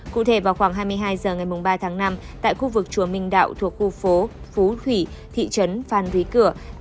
cụ thể vào khoảng hai mươi hai h ngày ba tháng năm tại khu vực chùa minh đạo thuộc khu phố phú thủy thị trấn phan rí cửa